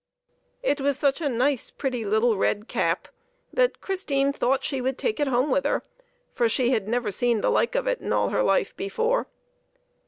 It was such a nice, pretty little red cap that Christine thought that she would take it home with her, for she had never seen the like of it in all of her life before.